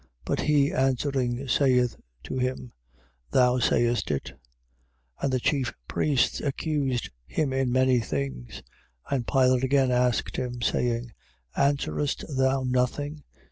But he answering, saith to him: Thou sayest it. 15:3. And the chief priests accused him in many things. 15:4. And Pilate again asked him, saying: Answerest thou nothing?